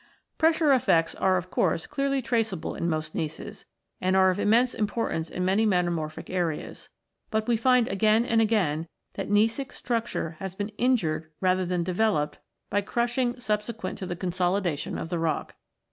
Pressure effects are of course clearly traceable in most gneisses, and are of immense importance in many metamorphic areas; but we find again and again that gneissic structure has been injured rather than developed by crushing subsequent to the con solidation of the rock.